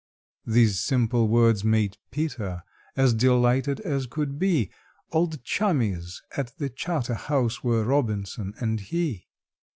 These simple words made PETER as delighted as could be, Old chummies at the Charterhouse were ROBINSON and he!